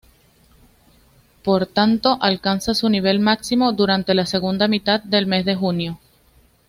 Por tanto, alcanza su nivel máximo durante la segunda mitad del mes de junio.